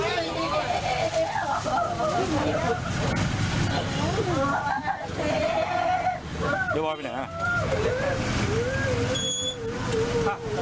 พ่อแม่มาเห็นสภาพศพของลูกร้องไห้กันครับขาดใจ